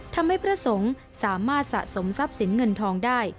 พระสงฆ์สามารถสะสมทรัพย์สินเงินทองได้